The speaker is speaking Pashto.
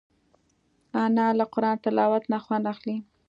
انا له قرآن تلاوت نه خوند اخلي